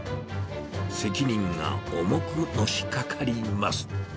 責任が重くのしかかります。